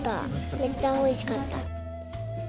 めっちゃおいしかった。